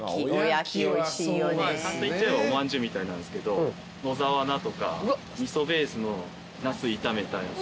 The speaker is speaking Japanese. おまんじゅうみたいなんですけど野沢菜とか味噌ベースのナス炒めたやつ。